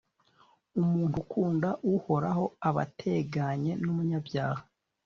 umuntu ukunda Uhoraho aba ateganye n’umunyabyaha.